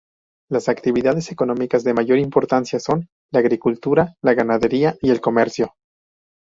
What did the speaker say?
Las actividades económicas de mayor importancia son la agricultura, la ganadería y el comercio.